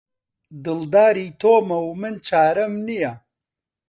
دڵداری تۆمە و من چارەم چیە؟